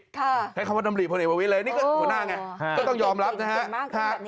ใช้คำว่าดำรีพลเอกประวิทย์เลยนี่ก็หัวหน้าไงก็ต้องยอมรับนะฮะ